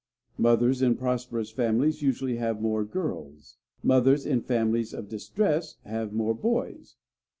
Mothers in prosperous families usually have more girls; mothers in families of distress have more boys.